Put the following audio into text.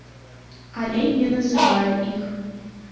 Але не называе іх.